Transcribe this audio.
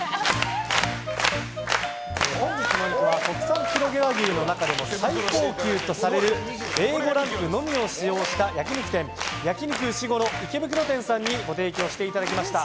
本日のお肉は国産黒毛和牛の中でも最高級とされるＡ５ランクのみを使用した焼き肉店焼き肉うしごろ池袋店さんにご提供していただきました